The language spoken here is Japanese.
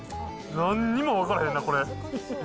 なんにも分からへんな、これ。